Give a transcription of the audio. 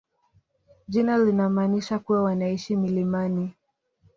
Jina linamaanisha kuwa wanaishi milimani.